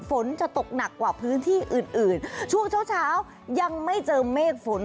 ฝนจะตกหนักกว่าพื้นที่อื่นอื่นช่วงเช้าเช้ายังไม่เจอเมฆฝน